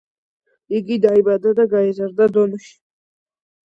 იგი დაიბადა და გაიზარდა დონში.